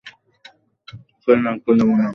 ওকে, নাক গলাব না।